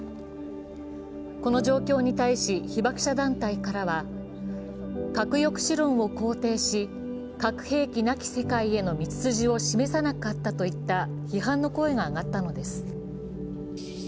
この状況に対し被爆者団体からは核抑止論を肯定し、核兵器なき世界への道筋を示さなかったといった批判の声が上がったのです。